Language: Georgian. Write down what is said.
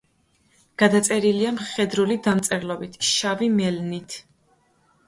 გადაწერილია მხედრული დამწერლობით, შავი მელნით.